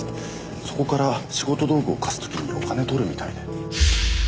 そこから仕事道具を貸す時にお金取るみたいで。